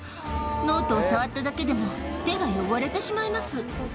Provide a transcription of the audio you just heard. ノートを触っただけでも、手が汚れてしまいます。